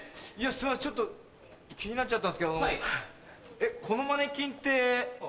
ちょっと気になっちゃったんですけどこのマネキンって。